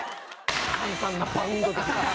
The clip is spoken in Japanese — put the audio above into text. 簡単なバウンド。